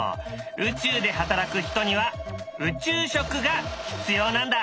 宇宙で働く人には宇宙食が必要なんだ。